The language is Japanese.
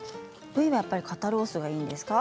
部位はやはり肩ロースがいいですか？